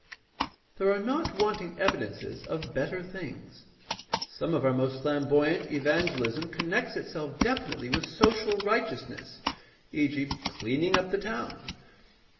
— There are not wanting evi dences of better things. Some of our most flamboyant evangelism connects itself definitely with social righteousness, e.g., ''cleaning up the town."